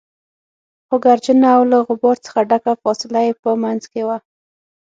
خو ګردجنه او له غبار څخه ډکه فاصله يې په منځ کې وه.